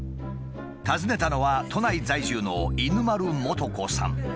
訪ねたのは都内在住の犬丸寛子さん。